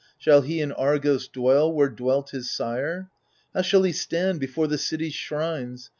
Shall he in Argos dwell, where dwelt his sire ? How shall he stand before the city's shrines.